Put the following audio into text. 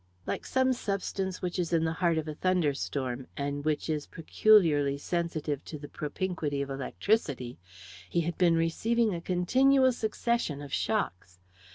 Like some substance which is in the heart of a thunderstorm, and which is peculiarly sensitive to the propinquity of electricity, he had been receiving a continual succession of shocks.